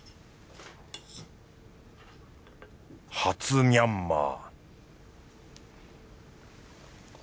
初ミャンマー